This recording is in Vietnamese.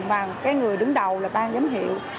và cái người đứng đầu là ban giám hiệu